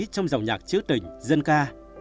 trong giọng nhạc chữ tình dân ca